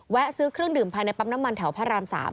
ซื้อเครื่องดื่มภายในปั๊มน้ำมันแถวพระราม๓